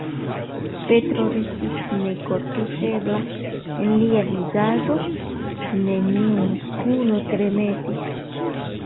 Petro restis nekortuŝebla: en lia vizaĝo neniu muskolo tremetis.